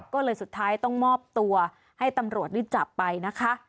ก็เลยสุดท้ายต้องมอบตัวให้ตำรวจได้จับไปนะคะ